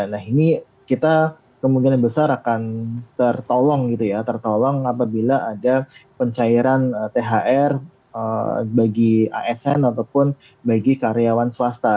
nah ini kita kemungkinan besar akan tertolong gitu ya tertolong apabila ada pencairan thr bagi asn ataupun bagi karyawan swasta